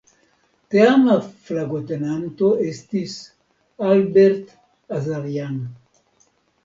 Teama flagotenanto estis "Albert Azarjan".